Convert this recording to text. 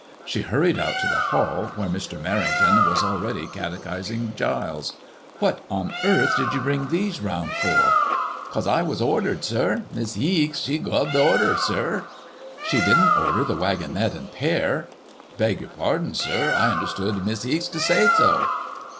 She hurried out to the hall, where Mr. Merrington was already catechising Giles. What on earth did you bring these round for ?'*" Cos I was ordered, sir ; Miss Heeks, she guv the order, sir.*' ''She didn't order the wag gonette and pair." ''Beg your pardon, sir, I understood Miss Heeks to say so.